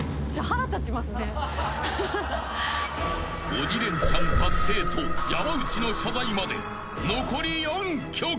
［鬼レンチャン達成と山内の謝罪まで］